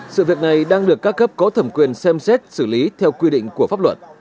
sự việc này đang được các cấp có thẩm quyền xem xét xử lý theo quy định của pháp luật